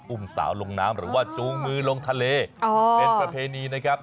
อุ้มสาวลงน้ำหรือว่าจูงมือลงทะเลเป็นประเพณีนะครับ